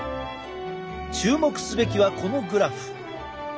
注目すべきはこのグラフ。